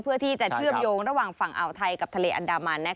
เพื่อที่จะเชื่อมโยงระหว่างฝั่งอ่าวไทยกับทะเลอันดามัน